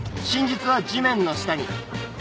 真実は地面の下に。